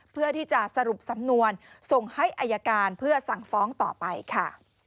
เพื่อที่จะสรุปสำนวนส่งให้อายการเพื่อสั่งฟ้องต่อไปค่ะ